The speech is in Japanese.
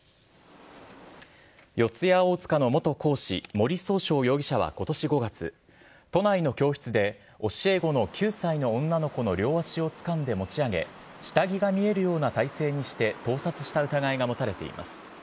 四谷大塚の元講師、森崇翔容疑者はことし５月、都内の教室で、教え子の９歳の女の子の両足をつかんで持ち上げ、下着が見えるような体勢にして、盗撮した疑いが持たれています。